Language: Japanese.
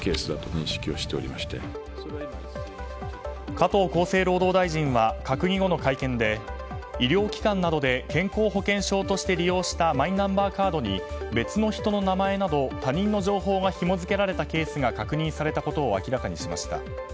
加藤厚生労働大臣は閣議後の会見で医療機関などで健康保険証として利用したマイナンバーカードに別の人の名前など他人の情報がひも付けられたケースが確認されたことを明らかにしました。